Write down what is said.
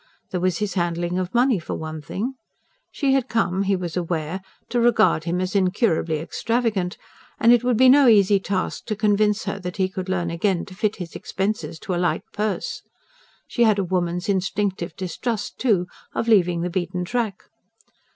There was his handling of money for one thing: she had come, he was aware, to regard him as incurably extravagant; and it would be no easy task to convince her that he could learn again to fit his expenses to a light purse. She had a woman's instinctive distrust, too, of leaving the beaten track.